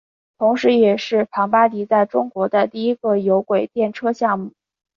同时也是庞巴迪在中国的第一个有轨电车项目。